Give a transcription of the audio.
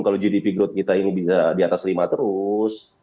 kalau gdp growth kita ini bisa diatas lima terus